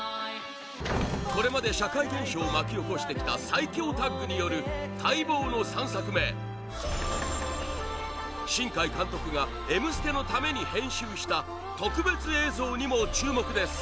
これまで社会現象を巻き起こしてきた最強タッグによる待望の３作目新海監督が「Ｍステ」のために編集した特別映像にも注目です